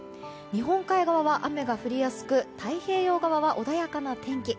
日本海側は雨が降りやすく太平洋側は穏やかな天気。